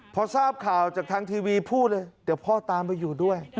พอทราบข่าวจากทางทีวีพูดเลยเดี๋ยวพ่อตามไปอยู่ด้วย